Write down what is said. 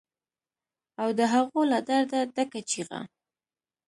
او د هغو له درده ډکه چیغه